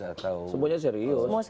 atau semuanya serius